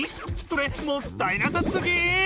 それもったいなさすぎ！